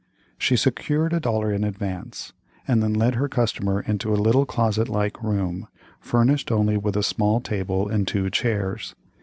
She secured a dollar in advance, and then led her customer into a little closet like room, furnished only with a small table and two chairs.